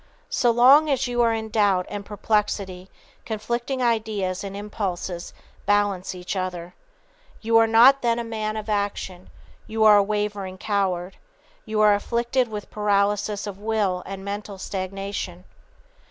So long as you are in doubt and perplexity conflicting ideas and impulses balance each other. You are not then a man of action; you are a wavering coward. You are afflicted with paralysis of will and mental stagnation.